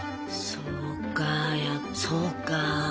そうかいやそうか。